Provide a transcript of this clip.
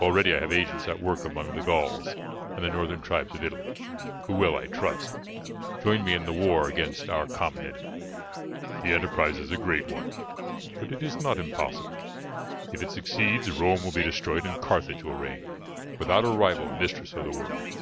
Already I have agents at work among the Gauls and the northern tribes of Italy, who will, I trust, join me in the war against our common enemy. The enterprise is a great one, but it is not impossible; if it succeeds, Rome will be destroyed and Carthage will reign, without a rival, mistress of the world.